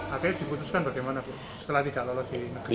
akhirnya diputuskan bagaimana setelah tidak lalu lagi